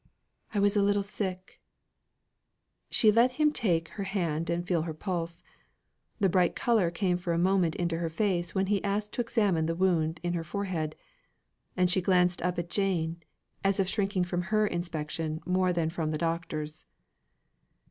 "I was a little sick." She let him take her hand and feel her pulse. The bright colour came for a moment into her face, when he asked to examine the wound in her forehead; and she glanced up at Jane, as if shrinking from her inspection more than from the doctor's.